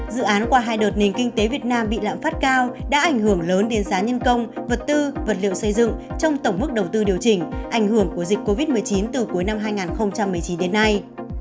dự án qua hai đợt nền kinh tế việt nam bị lạm phát cao đã ảnh hưởng lớn đến giá nhân công vật tư vật liệu xây dựng trong tổng mức đầu tư điều chỉnh ảnh hưởng của dịch covid một mươi chín từ cuối năm hai nghìn một mươi chín đến nay